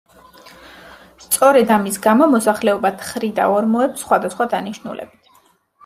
სწორედ ამის გამო მოსახლეობა თხრიდა ორმოებს სხვადასხვა დანიშნულებით.